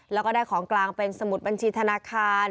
แล้วก็ได้ของกลางเป็นสมุดบัญชีธนาคาร